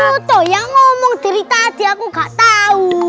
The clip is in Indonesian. itu yang ngomong diri tadi aku nggak tahu